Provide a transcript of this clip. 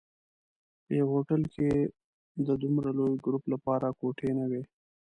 په یوه هوټل کې د دومره لوی ګروپ لپاره کوټې نه وې.